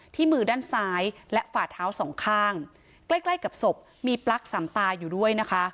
มือด้านซ้ายและฝ่าเท้าสองข้างใกล้ใกล้กับศพมีปลั๊กสามตาอยู่ด้วยนะคะ